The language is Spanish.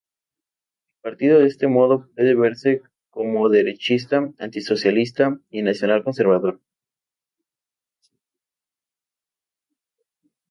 El partido de este modo puede verse como derechista, anti-socialista y nacional-conservador.